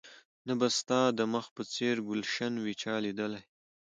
نه به ستا د مخ په څېر ګلش وي چا ليدلى